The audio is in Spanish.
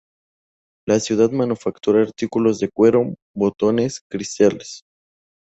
La ciudad manufactura artículos de cuero, botones, cristales.